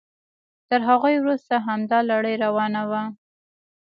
تر هغوی وروسته همدا لړۍ روانه وه.